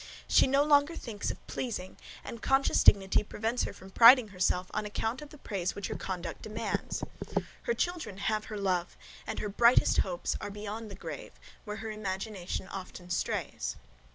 She no longer thinks of pleasing, and conscious dignity prevents her from priding herself on account of the praise which her conduct demands. Her children have her love, and her brightest hopes are beyond the grave, where her imagination often strays.